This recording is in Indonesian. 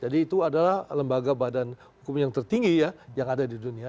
jadi itu adalah lembaga badan hukum yang tertinggi ya yang ada di dunia